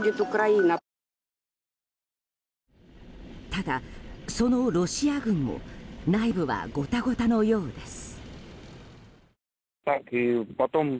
ただ、そのロシア軍も内部はごたごたのようです。